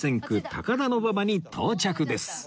高田馬場に到着です